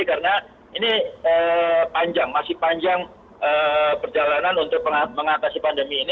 karena ini panjang masih panjang perjalanan untuk mengatasi pandemi ini